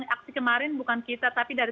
aksi kemarin bukan kita tapi dari